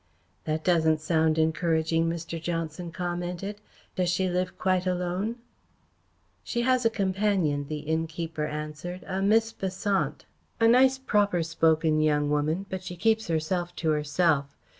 "That doesn't sound encouraging," Mr. Johnson commented. "Does she live quite alone?" "She has a companion," the innkeeper answered "a Miss Besant. A nice proper spoken young woman, but keeps herself to herself.